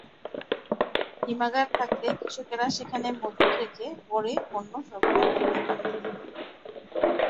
হিমাগার থাকলে কৃষকেরা সেখানে মজুদ রেখে পরে পণ্য সরবরাহ করতে পারতেন।